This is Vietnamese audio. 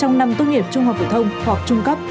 trong năm tốt nghiệp trung học phổ thông hoặc trung cấp